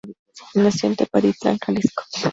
Nació en Tepatitlán, Jal.